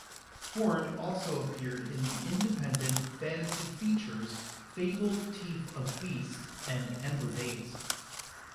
Horne also appeared in the independent fantasy features, "Fable-Teeth of Beasts" and "Ember Days".